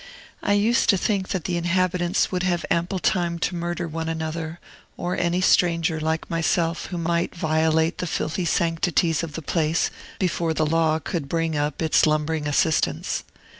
I used to think that the inhabitants would have ample time to murder one another, or any stranger, like myself, who might violate the filthy sanctities of the place; before the law could bring up its lumbering assistance.